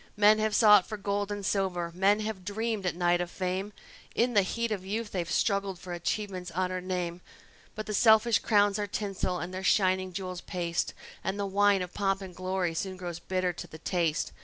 Men have sought for gold and silver; men have dreamed at night of fame; In the heat of youth they've struggled for achievement's honored name; But the selfish crowns are tinsel, and their shining jewels paste, And the wine of pomp and glory soon grows bitter to the taste.